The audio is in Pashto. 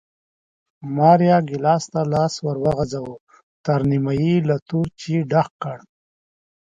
ماریا ګېلاس ته لاس ور وغځاوه، تر نیمایي یې له تور چای ډک کړ